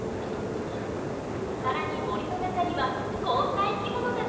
更に森の中にはこんな生き物たちも！